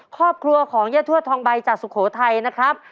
ครอบครัวของย่าทวดทองใบจากสุโขทัยนะครับ